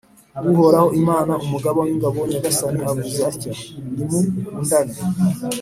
Uhoraho, Imana Umugaba w’ingabo, Nyagasani avuze atya:nimu kundane